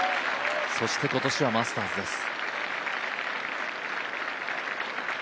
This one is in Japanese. そして今年はマスターズです。